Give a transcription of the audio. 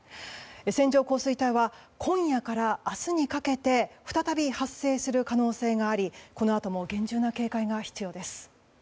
線状降水帯は今夜から明日にかけて再び発生する可能性がありこのあとも厳重な警戒が必要です。